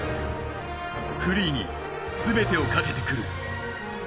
フリーに全てをかけてくる。